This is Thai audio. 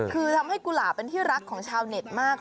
คือทำให้กุหลาบเป็นที่รักของชาวเน็ตมาก